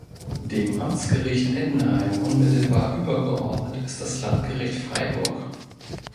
Dem Amtsgericht Ettenheim unmittelbar übergeordnet ist das Landgericht Freiburg.